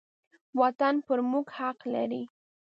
وطن پر موږ حق لري.